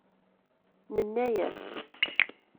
Nenna-as.